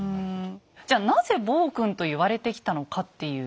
じゃなぜ「暴君」と言われてきたのかっていうことですよね。